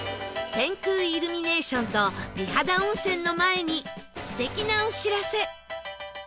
天空イルミネーションと美肌温泉の前に素敵なお知らせ！